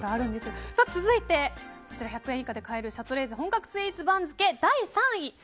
続いて、１００円以下で買えるシャトレーゼ本格スイーツ番付第３位。